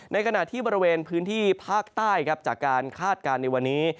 ในขณะที่บริเวณพื้นที่ภาคใต้ครับจากการคาดการณ์ในวันนี้